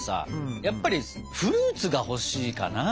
やっぱりフルーツが欲しいかな。